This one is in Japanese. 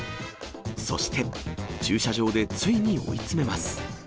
そして、駐車場でついに追い詰めます。